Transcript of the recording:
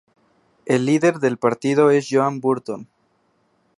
El líder del partido es Joan Burton.